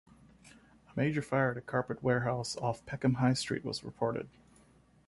A major fire at a carpet warehouse off Peckham High Street was reported.